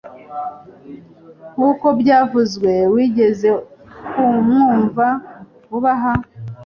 Nkuko byavuzwe wigeze kumwumva vuba aha